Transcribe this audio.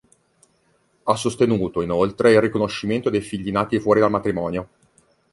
Ha sostenuto, inoltre, il riconoscimento dei figli nati fuori dal matrimonio.